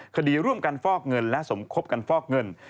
คดีร่วมกันฟอกเงินและสมคบกันฟอกเงิน